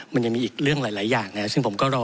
มันยังมีอีกเรื่องหลายอย่างนะครับซึ่งผมก็รอ